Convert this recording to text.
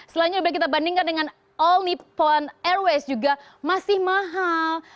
selain itu kita bandingkan dengan all nippon airways juga masih mahal